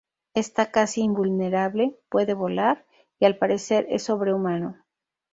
Está casi invulnerable, puede volar y, al parecer, es sobrehumano.